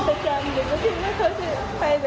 สภาพเขาหมดสติได้ล่ะครับ